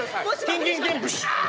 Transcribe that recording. キンキンキンブシュッ！